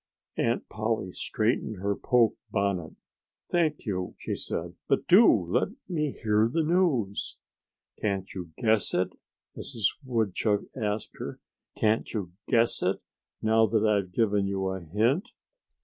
Aunt Polly straightened her poke bonnet. "Thank you!" she said. "But do let me hear the news." "Can't you guess it?" Mrs. Woodchuck asked her. "Can't you guess it, now that I've given you a hint?"